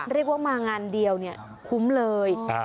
เรียกว่ามางานเดียวเนี่ยคุ้มเลย